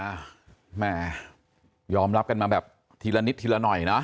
แหมยอมรับกันมาแบบทีละนิดทีละหน่อยนะ